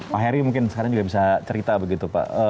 pak heri mungkin sekarang juga bisa cerita begitu pak